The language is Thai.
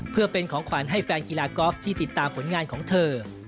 เพื่อเป็นของขวัญให้แฟนกีฬากอล์ฟที่ติดตามผลงานของเธอ